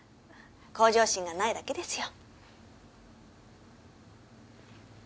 向上心がないだけですよ。